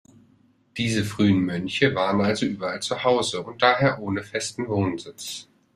Diese frühen Mönche waren also überall zu Hause und daher ohne festen Wohnsitz.